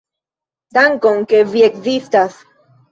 Dankon, ke vi ekzistas.